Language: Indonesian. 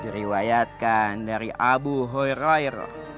diriwayatkan dari abu hurairah